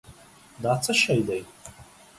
دا څه شی دی؟